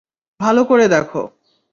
ভালো করে দেখ!